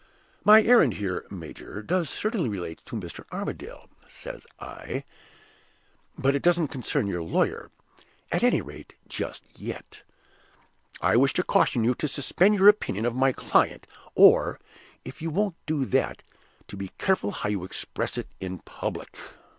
'My errand here, major, does certainly relate to Mr. Armadale,' says I; 'but it doesn't concern your lawyer at any rate, just yet. I wish to caution you to suspend your opinion of my client, or, if you won't do that, to be careful how you express it in public.